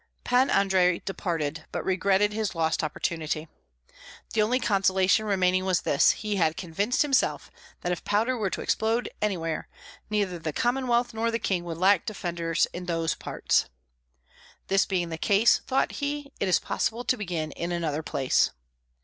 Pan Andrei departed, but regretted his lost opportunity. The only consolation remaining was this, he had convinced himself that if powder were to explode anywhere, neither the Commonwealth nor the king would lack defenders in those parts. "This being the case," thought he, "it is possible to begin in another place."